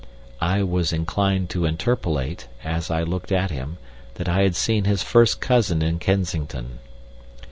(I was inclined to interpolate, as I looked at him, that I had seen his first cousin in Kensington.)